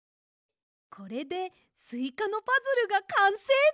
これでスイカのパズルがかんせいです！